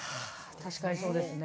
確かにそうですね。